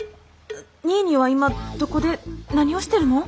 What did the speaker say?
ニーニーは今どこで何をしてるの？